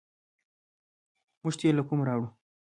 موږ تیل له کومه راوړو؟